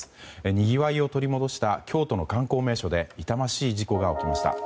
にぎわいを取り戻した京都の観光名所で痛ましい事故が起きました。